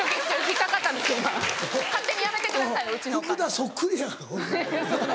そっくりやなぁ。